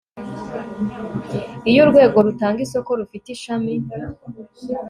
iyo urwego rutanga isoko rufite ishami